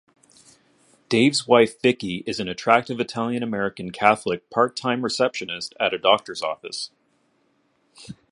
Dave's wife Vicky is an attractive Italian-American Catholic part-time receptionist at a Doctors' office.